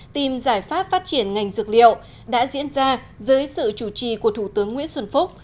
tìm giải pháp phát triển ngành dược liệu đã diễn ra dưới sự chủ trì của thủ tướng nguyễn xuân phúc